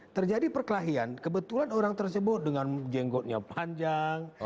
terjadi perkelahian kebetulan orang tersebut dengan jenggotnya panjang